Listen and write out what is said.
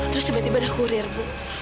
terus tiba tiba dah hurir bu